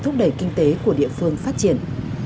thúc đẩy kinh tế của địa phương phát triển